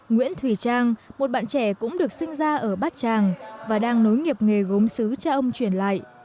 nguyễn thủy trang một bạn trẻ cũng được sinh ra ở bát tràng và đang nối nghiệp nghề gốm xứ cho ông chuyển lại